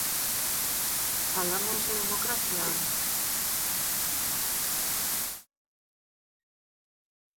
Falamos de democracia?